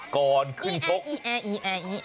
ก่อนขึ้นชก